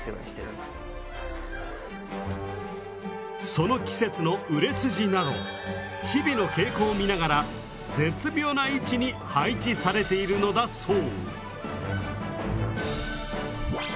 その季節の売れ筋など日々の傾向を見ながら絶妙な位置に配置されているのだそう。